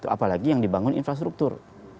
apalagi yang dibangun infrastruktur